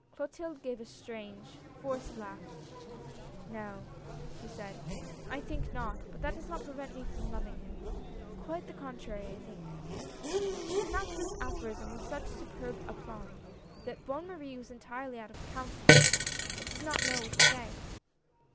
" Clotilde gave a strange, forced laugh. " No," she said, " I think not. But that does not pre vent me from loving him. Quite the contrary, I think !" She pronounced this aphorism with such superb aplomb, that Bonne Marie was entirely out of counte nance, and did not know what to say.